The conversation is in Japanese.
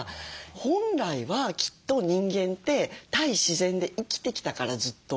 本来はきっと人間って対自然で生きてきたからずっと。